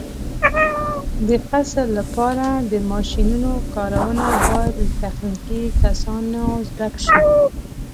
د فصل لپاره د ماشینونو کارونه باید له تخنیکي کسانو زده شي.